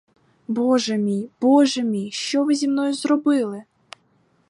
Боже мій, боже мій, що ви зі мною зробили!